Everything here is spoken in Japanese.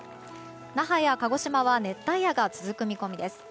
那覇や鹿児島は熱帯夜が続く見込みです。